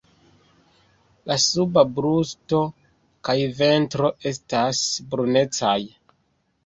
La suba brusto kaj ventro estas brunecaj.